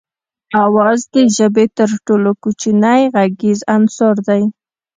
آواز د ژبې تر ټولو کوچنی غږیز عنصر دی